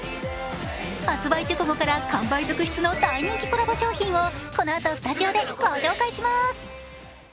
発売直後から完売続出の大人気コラボ商品をこのあと、スタジオでご紹介します。